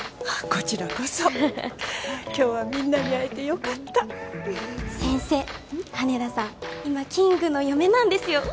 こちらこそ今日はみんなに会えてよかった先生羽田さん今キングの嫁なんですよ